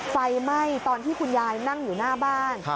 ไฟไหม้ตอนที่คุณยายนั่งอยู่หน้าบ้าน